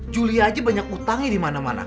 julia aja banyak utangnya di mana mana